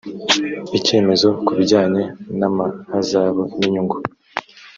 icyemezo ku bijyanye n amahazabu n inyungu